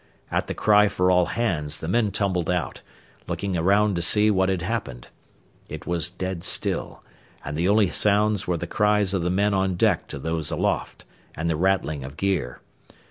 At the cry for all hands the men tumbled out, looking around to see what had happened. It was dead still, and the only sounds were the cries of the men on deck to those aloft, and the rattling of gear.